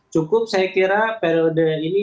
cukup saya kira periode ini